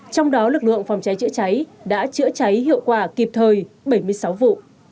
trong đó lực lượng phòng cháy trịa cháy đã trịa cháy hiệu quả kịp thời bảy mươi sáu vụ